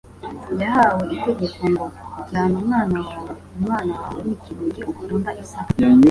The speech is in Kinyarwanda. Yahawe itegeko ngo: «Jyana umwana wawe, Umwana wawe w'ikinege ukunda Isaka...